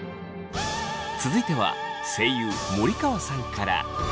続いては声優森川さんから。